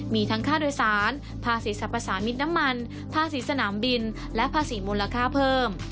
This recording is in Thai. มีทั้งค่าโดยสารภาษีสรรพสามิตรน้ำมันภาษีสนามบินและภาษีมูลค่าเพิ่ม